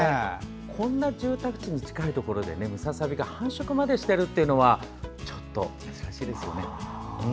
こんな住宅地に近いところでムササビが繁殖までしているのはちょっと珍しいですよね。